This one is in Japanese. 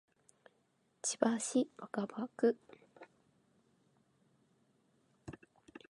千葉市若葉区